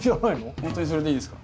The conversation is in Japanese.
ほんとにそれでいいですか？